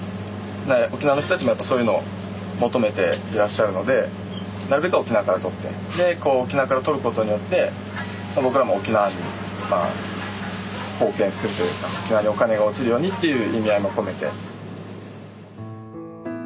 で沖縄の人たちもやっぱそういうのを求めていらっしゃるのでなるべくは沖縄から取ってでこう沖縄から取ることによって僕らも沖縄にまあ貢献するというか沖縄にお金が落ちるようにっていう意味合いも込めて。